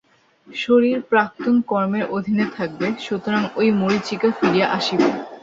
শরীর প্রাক্তন কর্মের অধীন থাকিবে, সুতরাং ঐ মরীচিকা ফিরিয়া আসিবে।